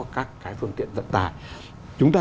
các cái phương tiện vận tải chúng ta